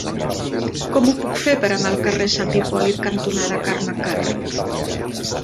Com ho puc fer per anar al carrer Sant Hipòlit cantonada Carme Karr?